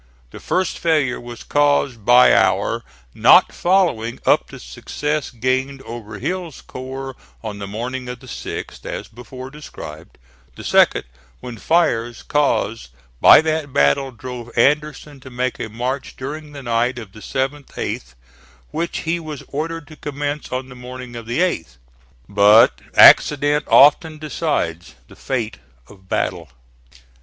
The first failure was caused by our not following up the success gained over Hill's corps on the morning of the 6th, as before described: the second, when fires caused by that battle drove Anderson to make a march during the night of the 7th 8th which he was ordered to commence on the morning of the 8th. But accident often decides the fate of battle.